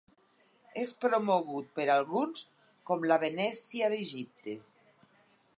És promogut per alguns com la Venècia d'Egipte.